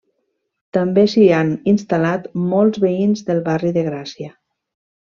També s'hi han instal·lat molts veïns del barri de Gràcia.